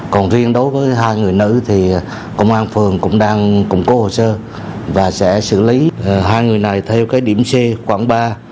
còn riêng đối với hai người nữ thì công an phường cũng đang củng cố hồ sơ và sẽ xử lý hai người này theo cái điểm c khoảng ba